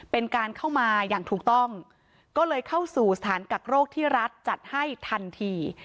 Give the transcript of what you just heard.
เป็นการเข้ามาอย่างถูกต้องก็เลยเข้าสู่สถานกักโรคที่รัฐจัดให้ทันที